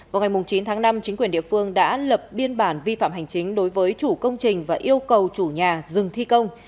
vào ngày chín tháng năm chính quyền địa phương đã lập biên bản vi phạm hành chính đối với chủ công trình và yêu cầu chủ nhà dừng thi công